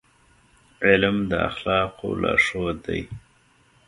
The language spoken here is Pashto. علم د اخلاقو لارښود دی.